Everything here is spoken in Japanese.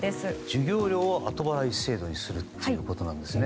授業料を後払い制度にするということなんですね。